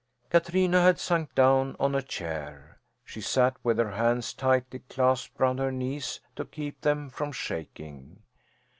Katrina had sunk down on a chair. She sat with her hands tightly clasped round her knees to keep them from shaking.